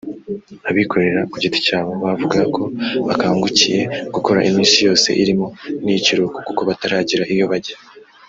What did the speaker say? Abikorera ku giti cyabo bavuga ko bakangukiye gukora iminsi yose irimo n’iy’ikiruhuko kuko bataragera iyo bajya